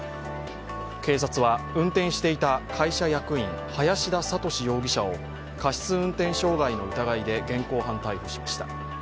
警察は運転していた会社役員林田覚容疑者を過失運転傷害の疑いで現行犯逮捕しました。